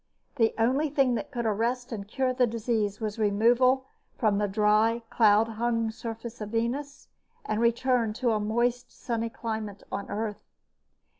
The only thing that could arrest and cure the disease was removal from the dry, cloud hung surface of Venus and return to a moist, sunny climate on Earth.